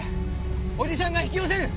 おじさんが引きよせる！